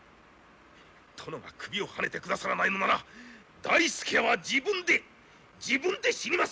殿が首をはねて下さらないのなら大助は自分で自分で死にます！